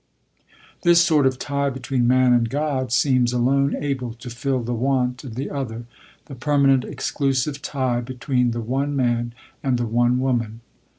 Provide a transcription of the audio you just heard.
This sort of tie between man and God seems alone able to fill the want of the other, the permanent exclusive tie between the one man and the one woman.